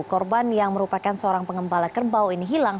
korban yang merupakan seorang pengembala kerbau ini hilang